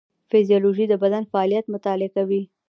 فیزیولوژي د بدن فعالیت مطالعه کوي